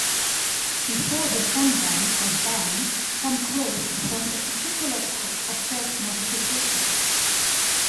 Before the Sun Dance was banned some Crows performed a particular type of self-mortification.